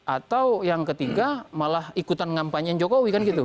atau yang ketiga malah ikutan ngampanyein jokowi kan gitu